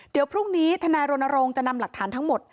เดี๋ยวพรุ่งนี้ทนายรณรงค์จะนำหลักฐานทั้งหมด